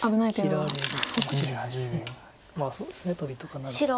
まあそうですねトビとかなら。